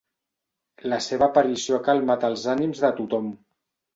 La seva aparició ha calmat els ànims de tothom.